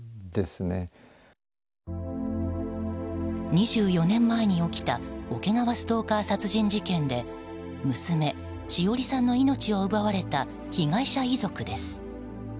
２４年前に起きた桶川ストーカー殺人事件で娘・詩織さんの命を奪われた被害者遺族です。